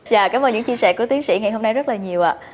dạ cảm ơn những chia sẻ của tiến sĩ ngày hôm nay rất là nhiều ạ